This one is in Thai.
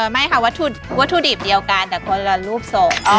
ไม่ค่ะวัตถุดิบเดียวกันแต่คนละรูปทรง